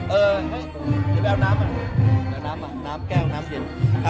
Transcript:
เออเดี๋ยวเอาน้ำอ่ะน้ำแก้วน้ำเย็น